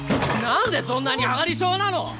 なんでそんなにアガリ症なの！？